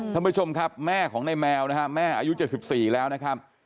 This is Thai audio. ท่านผู้ชมครับแม่ของในแมวนะฮะแม่อายุ๗๔แล้วนะครับ